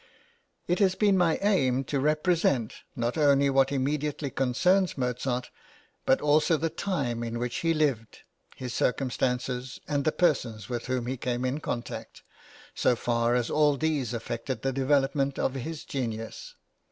It has been my aim to represent, not only what immediately concerns Mozart, but also the time in which he lived, his circumstances, and the persons with whom he came in {LIFE OF MOZART.} (xx) contact, so far as all these affected the development of his genius.